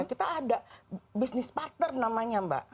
kita ada bisnis partner namanya mbak